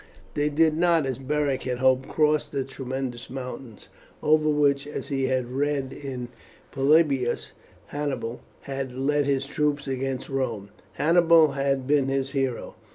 They did not, as Beric had hoped, cross the tremendous mountains, over which, as he had read in Polybius, Hannibal had led his troops against Rome. Hannibal had been his hero.